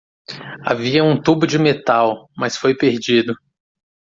Havia um tubo de metal, mas foi perdido